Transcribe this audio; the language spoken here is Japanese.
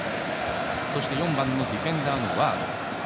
そして４番のディフェンダー、ワアド。